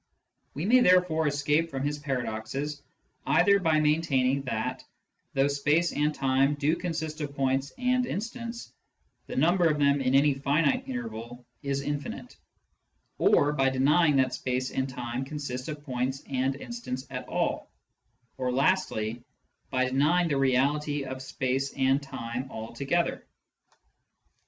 We may therefore escape from his paradoxes either by maintaining that, though space and time do consist of points and instants, the number of them in any finite interval is infinite ; or by denying that space and time consist of points and instants at all ; or lastly, by denying the reality of space and time altogether.